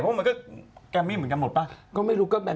เพราะมันก็แกมมี่เหมือนกันหมดป่ะ